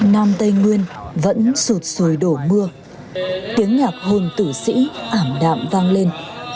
nam tây nguyên vẫn sụt xuồi đổ mưa tiếng nhạc hồn tử sĩ ảm đạm vang lên